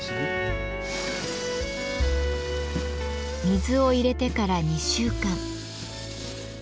水を入れてから２週間。